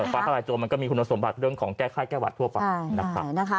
ฟ้าทลายโจรมันก็มีคุณสมบัติเรื่องของแก้ไขแก้บัตรทั่วไปนะครับ